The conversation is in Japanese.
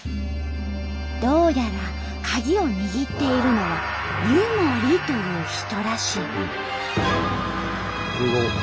どうやらカギを握っているのは「湯守」という人らしい。